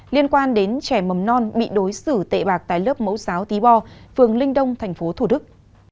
liên quan đến trẻ mầm non bị đối xử tệ bạc tại lớp mẫu giáo tí bo phường linh đông tp thủ đức